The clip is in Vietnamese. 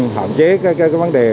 họ chế cái vấn đề